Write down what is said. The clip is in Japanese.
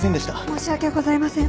申し訳ございません。